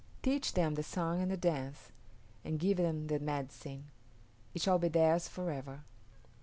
Teach them the song and the dance, and give them the medicine. It shall be theirs forever."